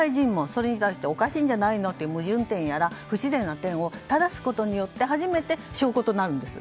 それに対しておかしいんじゃないのという矛盾点や不自然な点をただすことによって初めて証拠となるんです。